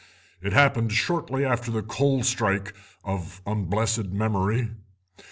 It happened shortly after the coal strike, of unblessed memory.